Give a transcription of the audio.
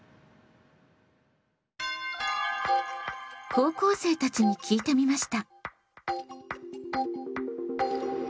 高校生たちに聞いてみました。